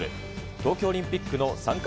東京オリンピックの参加